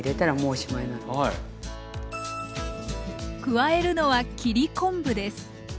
加えるのは切り昆布です。